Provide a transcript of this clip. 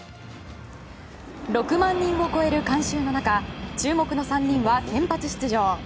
６万人を超える観衆の中注目の３人は先発出場。